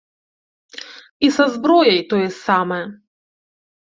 І са зброяй тое самае.